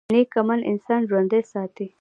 نیک عمل انسان ژوندی ساتي